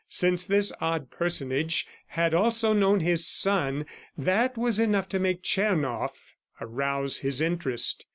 Since this odd personage had also known his son, that was enough to make Tchernoff arouse his interest.